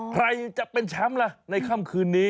ใครจะเป็นแชมป์ล่ะในค่ำคืนนี้